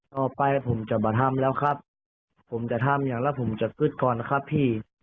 ต่อไปผมจะมาทำแล้วครับผมจะทำอย่างแล้วผมจะอึดก่อนนะครับพี่